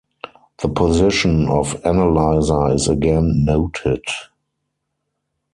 The position of analyzer is again noted.